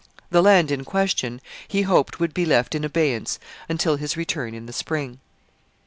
The land question he hoped would be left in abeyance until his return in the spring.